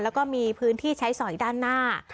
แล้วก็มีพื้นที่ใช้สอยด้านหน้า